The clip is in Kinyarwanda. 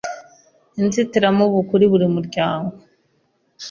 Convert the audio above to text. ’inzitiramibu kuri buri muryango”.